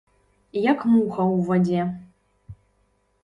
Як муха ў вадзе.